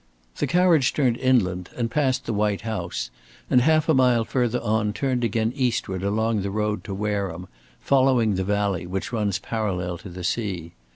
The carriage turned inland and passed the white house, and half a mile further on turned again eastward along the road to Wareham, following the valley, which runs parallel to the sea.